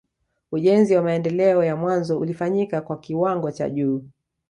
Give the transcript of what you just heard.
Ujenzi wa maendeleo ya mwanzo ulifanyika kwa kiwango cha juu